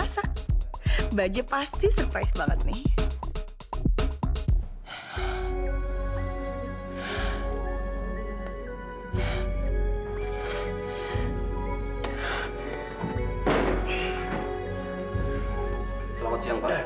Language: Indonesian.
selamat siang pak